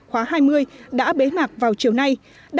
khóa hai mươi đã bế mạc vào chiều nay